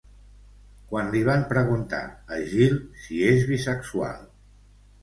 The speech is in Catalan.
Quan li van preguntar a Gill si és bisexual.